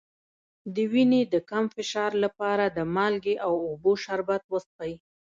د وینې د کم فشار لپاره د مالګې او اوبو شربت وڅښئ